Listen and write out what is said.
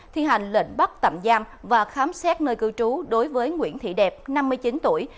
thi hành lệnh bắt tạm giam và khám xét nơi cư trú đối với nguyễn thị đẹp năm mươi chín tuổi